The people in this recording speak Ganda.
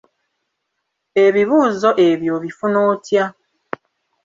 Ebibuuzo ebyo obifuna otya?